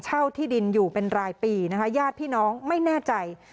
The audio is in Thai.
ที่ดินอยู่เป็นรายปีนะคะญาติพี่น้องไม่แน่ใจ